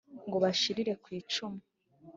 Ngo bashirire ku icumu.